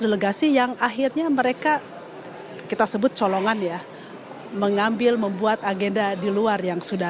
delegasi yang akhirnya mereka kita sebut colongan ya mengambil membuat agenda di luar yang sudah